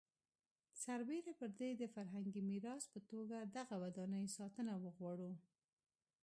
سربېره پر دې د فرهنګي میراث په توګه دغه ودانۍ ساتنه وغواړو.